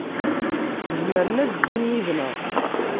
Zemren ad ddun yid-neɣ.